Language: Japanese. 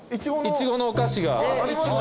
イチゴのお菓子見たい。